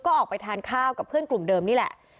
ก็ออกไปทานข้าวกับเพื่อนกลุ่มเดิมนี่แหละ